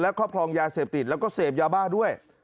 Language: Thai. ครอบครองยาเสพติดแล้วก็เสพยาบ้าด้วย